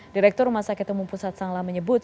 direktur rumah sakit umum pusat sanglah menyebut